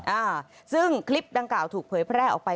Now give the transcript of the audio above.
อ่าซึ่งคลิปดังกล่าวถูกเผยแพร่ออกไป